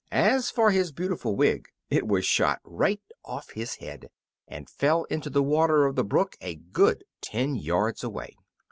As for his beautiful wig, it was shot right off his head, and fell into the water of the brook a good ten yards away!